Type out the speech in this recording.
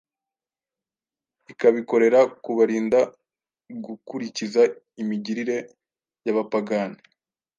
ikabikorera kubarinda gukurikiza imigirire y’abapagani,